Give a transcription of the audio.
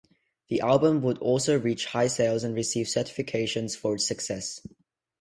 The album would also reach high sales and receive certifications for it success.